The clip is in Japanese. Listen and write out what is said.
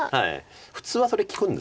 普通はそれ利くんですよね。